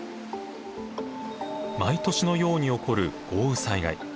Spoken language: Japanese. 毎年のように起こる豪雨災害。